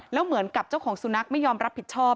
แล้วเหมือนกับเจ้าของสุนัขไม่ยอมรับผิดชอบ